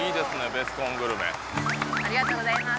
ベスコングルメありがとうございます